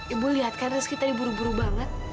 ibu lihat kan rizky tadi buru buru banget